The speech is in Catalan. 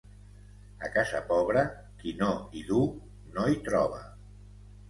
A casa pobra, qui no hi duu, no hi troba.